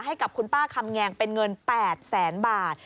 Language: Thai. ให้กับคุณป้าคำแงงเป็นเงิน๘แสนบาท